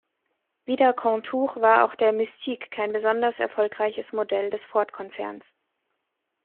Wie der Contour war auch der Mystique kein besonders erfolgreiches Modell des Ford-Konzerns.